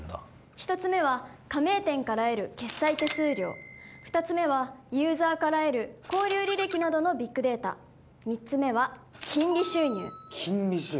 １つ目は加盟店から得る決済手数料２つ目はユーザーから得る購入履歴などのビッグデータ３つ目は金利収入金利収入？